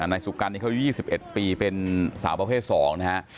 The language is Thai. ในสุกรรณครับเขาอยู่๒๑ปีเป็นสาวประเภท๒นะฮะ